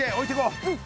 うん。